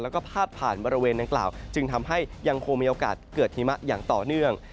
แล้วก็พาดผ่านบริเวณดังกล่าวจึงทำให้ยังคงมีโอกาสเกิดหิมะอย่างต่อเนื่อง